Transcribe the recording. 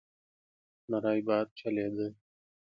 نری باد چلېده.